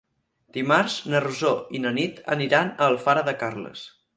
Dimarts na Rosó i na Nit aniran a Alfara de Carles.